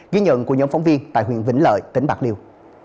ghi nhận của nhóm phóng viên tại huyện vĩnh lợi tỉnh bạc liêu